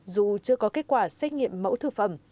dù chưa có kết quả xét nghiệm mẫu thực phẩm